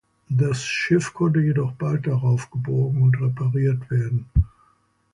Das Schiff konnte jedoch bald darauf geborgen und repariert werden.